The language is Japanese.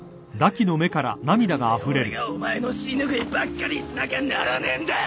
何で俺がお前の尻拭いばっかりしなきゃならねんだ！